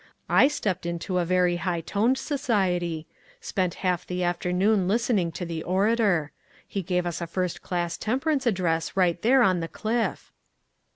I stepped into very high toned society ; spent half the af ternoon listening to the orator. He gave us a first class temperance address right there on the cliff."